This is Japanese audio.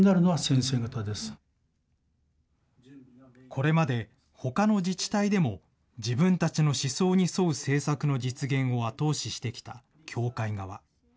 これまで、ほかの自治体でも自分たちの思想に沿う政策の実現を後押ししてきた教会側。